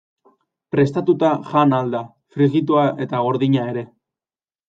Prestatuta jan ahal da, frijitua eta gordina ere.